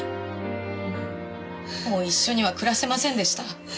もう一緒には暮らせませんでした。